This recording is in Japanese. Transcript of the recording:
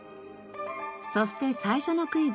そして最初のクイズ。